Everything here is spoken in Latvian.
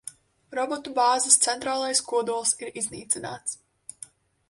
Robotu bāzes centrālais kodols ir iznīcināts.